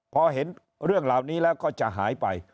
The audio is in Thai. พอเห็นเรื่องเหล่านี้แล้วก็จะหายไป